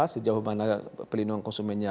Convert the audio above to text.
sejauh mana pelindung konsumennya